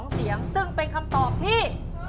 ๒เสียงซึ่งเป็นคำตอบที่